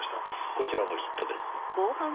こちらもヒットです。